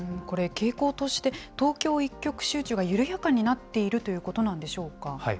これ、傾向として、東京一極集中が緩やかになっているということなんでしょうか。